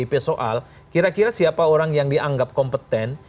pdip soal kira kira siapa orang yang dianggap kompeten